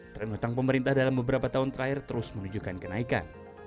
tren utang pemerintah dalam beberapa tahun terakhir terus menunjukkan kenaikan